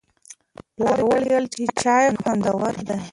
پلار وویل چې چای خوندور دی.